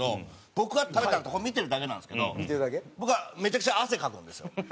僕は食べてるとこ見てるだけなんですけど僕がめちゃくちゃ汗かくんですよ。